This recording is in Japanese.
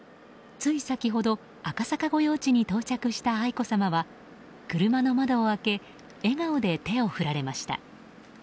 つい先ほど赤坂御用地に到着した愛子さまは車の窓を開け笑顔で手を振られました。